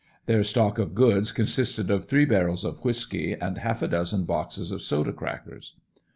Their stock of goods consisted of three barrels of whisky and half a dozen boxes of soda crackers.